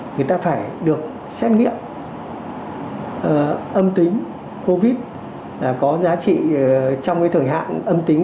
người ta phải được xét nghiệm âm tính covid có giá trị trong thời hạn âm tính